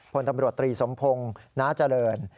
พลตำรวจตรีสมพงศ์น้าเจริญ